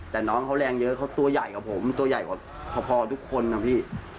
แต่น้องเขาแรงเยอะเขาตัวใหญ่กว่าผมตัวใหญ่กว่าพอทุกคนนะพี่